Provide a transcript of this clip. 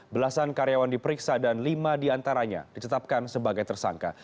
belasan karyawan diperiksa dan lima diantaranya ditetapkan sebagai tersangka